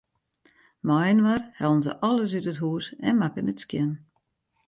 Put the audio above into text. Mei-inoar hellen se alles út it hûs en makken it skjin.